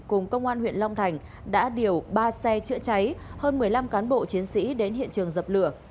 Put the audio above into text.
cùng công an huyện long thành đã điều ba xe chữa cháy hơn một mươi năm cán bộ chiến sĩ đến hiện trường dập lửa